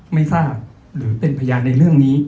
ไม่ทราบหรือเป็นพยานในเรื่องนี้